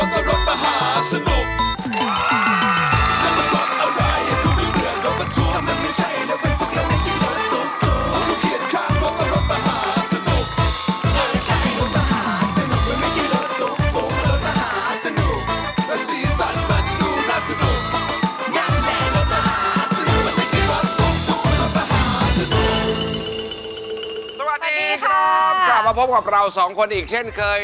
กลับมาพบกับเราสองคนอีกเช่นเคย